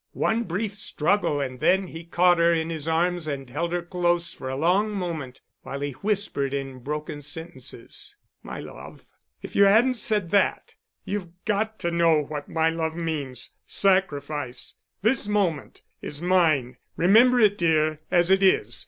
One brief struggle and then he caught her in his arms and held her close for a long moment, while he whispered in broken sentences. "My love! ... if you hadn't said that! You've got to know what my love means ... sacrifice.... This moment ... is mine.... Remember it, dear—as it is